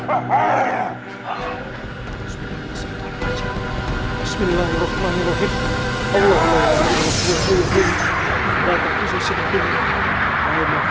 bapak istighfar pak